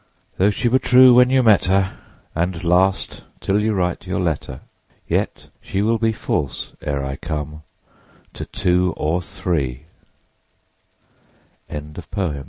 Though she were true when you met her, And last till you write your letter, Yet she 25 Will be False, ere I come, to two or